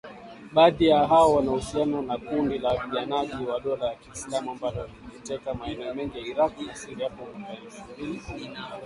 Baadhi ya hao wana uhusiano na kundi la wapiganaji wa Dola la kiislamu ambalo liliteka maeneo mengi ya Iraq na Syria hapo mwaka elfu mbili na kumi na nne